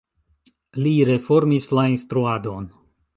Li reformis la instruadon.